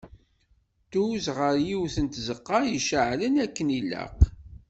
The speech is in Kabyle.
Tuz ɣer yiwet n tzeqqa iceɛlen akken ilaq.